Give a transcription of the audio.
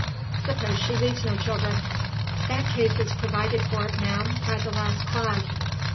"Suppose she leaves no children?" "That case is provided for, ma'am, by the last clause.